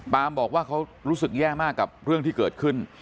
บอกว่าเขารู้สึกแย่มากกับเรื่องที่เกิดขึ้น